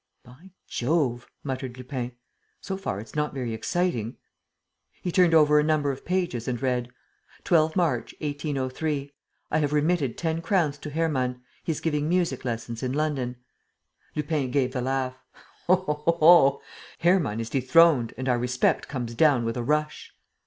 "By Jove!" muttered Lupin. "So far, it's not very exciting." He turned over a number of pages and read: "12 March, 1803. I have remitted ten crowns to Hermann. He is giving music lessons in London." Lupin gave a laugh: "Oho! Hermann is dethroned and our respect comes down with a rush!"